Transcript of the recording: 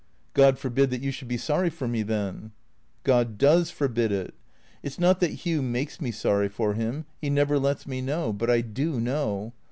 "■' God forbid that you should be sorry for me, then." " God does forbid it. It 's not that Hugh maJces me sorry for him; he never lets me know; but I do know.